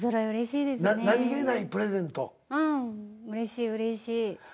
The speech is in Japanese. うれしいうれしい。